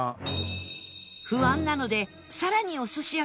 不安なのでさらにお寿司屋さん